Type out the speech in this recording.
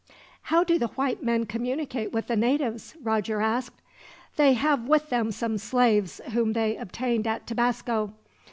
"How do the white men communicate with the natives?" Roger asked. "They have with them some slaves, whom they obtained at Tabasco.